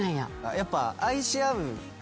やっぱ。